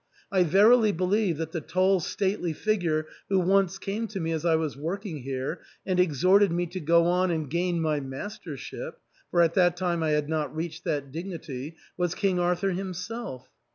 I verily believe that the tall stately figure who once came to me as I was working here, and exhorted me to go on and gain my mastership — for at that time I had not reached that dignity, — was King Arthur himself."